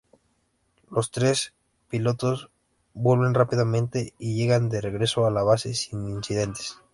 Los tres pilotos vuelven rápidamente y llegan de regreso a la base sin incidentes.